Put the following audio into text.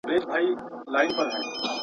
خو په کار د عاشقی کي بې صبري مزه کوینه.